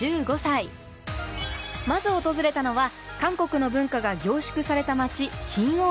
まず訪れたのは韓国の文化が凝縮された街